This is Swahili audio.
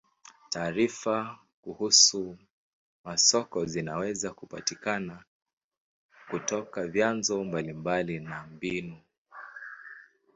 Taarifa kuhusu masoko zinaweza kupatikana kutoka vyanzo mbalimbali na na mbinu.